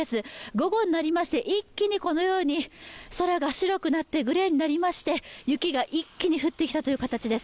午後になりまして一気に空が白くなってグレーになりまして、雪が一気に降ってきた形です。